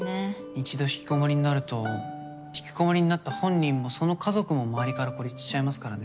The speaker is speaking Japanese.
１度引きこもりになると引きこもりになった本人もその家族も周りから孤立しちゃいますからね。